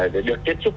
để được tiếp xúc